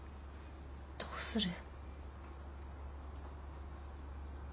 どうする？